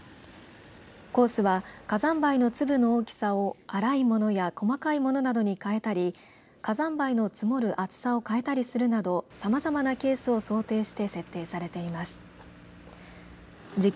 コースは、火山灰の粒の大きさを粗いものや細かいものなどに変えたり火山灰の積もる厚さを変えたりするなどさまざまなケースを想定して設定されています。